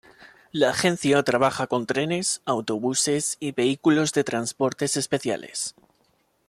La agencia trabaja con trenes, autobuses y vehículos de transportes especiales.